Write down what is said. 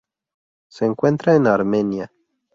Se encuentra en Armenia.